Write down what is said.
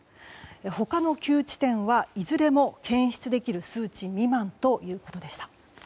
他の９地点はいずれも検出できる数値未満ということでした。